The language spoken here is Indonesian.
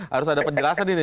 harus ada penjelasan ini